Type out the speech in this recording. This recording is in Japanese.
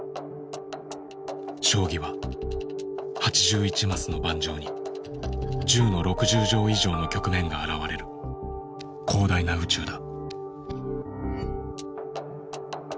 将棋は８１マスの盤上に１０の６０乗以上の局面が現れる広大な宇宙だ。